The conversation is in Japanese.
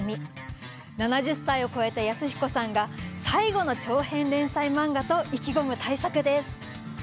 ７０歳を超えた安彦さんが最後の長編連載漫画と意気込む大作です。